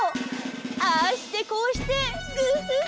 ああしてこうしてグフフ！